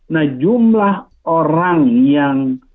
nah jumlah orang yang